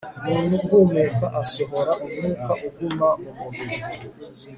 umuntu ahumeka asohora umwuka iguma mu mubiri